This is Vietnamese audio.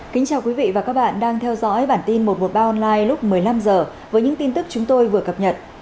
kính chào quý vị và các bạn đang theo dõi bản tin một trăm một mươi ba online lúc một mươi năm h với những tin tức chúng tôi vừa cập nhật